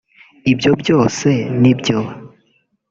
ibyo byose ni byo